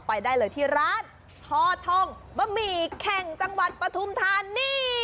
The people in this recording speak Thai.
ไปได้เลยที่ร้านทอทองบะหมี่แข่งจังหวัดปฐุมธานี